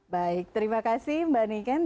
baik terima kasih mbak niken